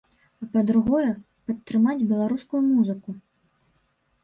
А па-другое, падтрымаць беларускую музыку.